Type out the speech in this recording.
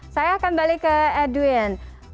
saya akan balik ke edwin